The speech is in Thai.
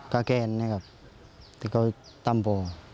ก็แกล้งนะครับที่ก็ต้ำพ่อ